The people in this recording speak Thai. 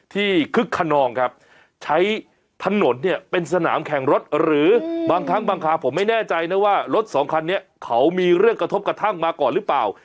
คึกขนองครับใช้ถนนเนี่ยเป็นสนามแข่งรถหรือบางครั้งบางคราวผมไม่แน่ใจนะว่ารถสองคันนี้เขามีเรื่องกระทบกระทั่งมาก่อนหรือเปล่า